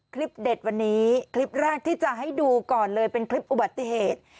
คลิปเด็ดวันนี้คลิปแรกที่จะให้ดูก่อนเลยเป็นคลิปอุบัติเหตุ